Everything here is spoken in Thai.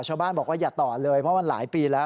ชาวบ้านบอกว่าอย่าต่อเลยเพราะมันหลายปีแล้ว